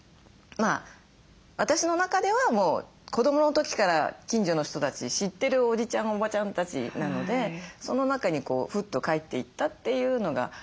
私の中ではもう子どもの時から近所の人たち知ってるおじちゃんおばちゃんたちなのでその中にふっと帰っていったというのが。